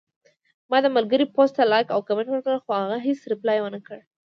ما د ملګري پوسټ ته لایک او کمنټ ورکړل، خو هغه هیڅ ریپلی ونکړه